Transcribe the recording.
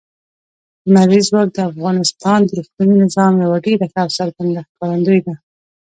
لمریز ځواک د افغانستان د اقلیمي نظام یوه ډېره ښه او څرګنده ښکارندوی ده.